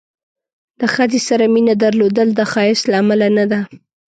د ښځې سره مینه درلودل د ښایست له امله نه ده.